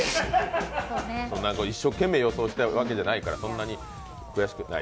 一生懸命予想したわけじゃないから、そんなに悔しくない。